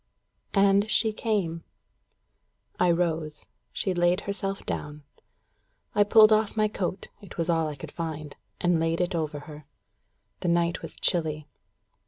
And she came. I rose. She laid herself down. I pulled off my coat it was all I could find and laid it over her. The night was chilly.